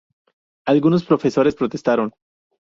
Algunos profesores protestaron.